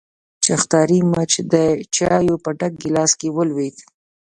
چختاړي مچ د چايو په ډک ګيلاس کې ولوېد.